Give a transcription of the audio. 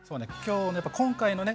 今回のね